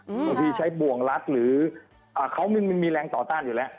บางทีใช้บ่วงรัดหรืออ่าเขามันมีแรงต่อต้านอยู่แล้ว